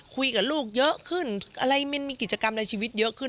คุยกับลูกเยอะขึ้นอะไรมันมีกิจกรรมในชีวิตเยอะขึ้น